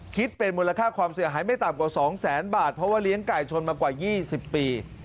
คิดเป็นมูลค่าความเสียหายไม่ต่ำกว่า๒แสนบาทเพราะว่าเลี้ยงไก่ชนมากว่า๒๐ปี